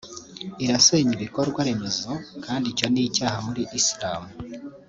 irasenya ibikorwa remezo kandi icyo ni icyaha muri Islam